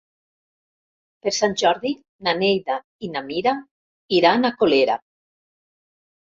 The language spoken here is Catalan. Per Sant Jordi na Neida i na Mira iran a Colera.